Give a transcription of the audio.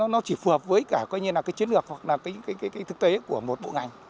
nó chỉ phù hợp với cả cái chiến lược hoặc là cái thực tế của một bộ ngành